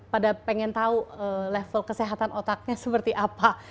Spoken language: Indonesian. pada pengen tahu level kesehatan otaknya seperti apa